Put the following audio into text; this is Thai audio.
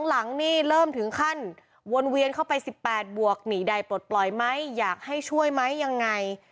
หลังนี่เริ่มถึงขั้นวนเวียนเข้าไป๑๘บวกหนีใดปลดปล่อยไหมอยากให้ช่วยไหมยังไง